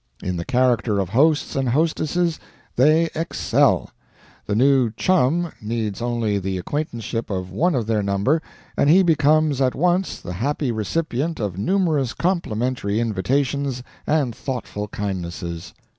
In the character of hosts and hostesses they excel. The 'new chum' needs only the acquaintanceship of one of their number, and he becomes at once the happy recipient of numerous complimentary invitations and thoughtful kindnesses.